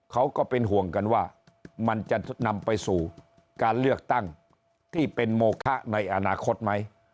เขาก็เป็นห่วงกันว่ามันจะนำไปสู่การเลือกตั้งที่เป็นโมคะในอนาคตไหม